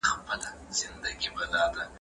د ټولنې مطالعه ځانګړي میتودونه غواړي.